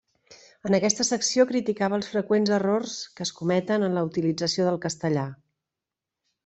En aquesta secció criticava els freqüents errors que es cometen en la utilització del castellà.